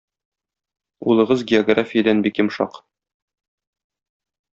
Улыгыз географиядән бик йомшак.